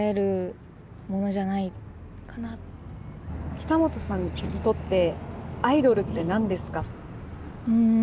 北本さんにとってアイドルって何ですか？